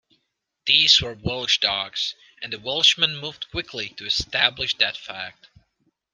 These were Welsh dogs, and the Welshmen moved quickly to establish that fact.